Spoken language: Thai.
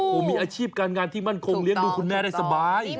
โอ้โฮมีอาชีพการงานที่มั่นคงเรียนดูคุณแม่ได้สบายถูกต้อง